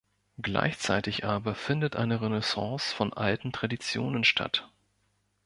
Gleichzeitig aber findet eine Renaissance von alten Traditionen statt.